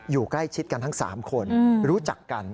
อยู่ใกล้ชิดกันทั้ง๓คนรู้จักกัน